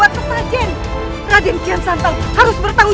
radin kian santang